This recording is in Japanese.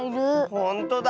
ほんとだ！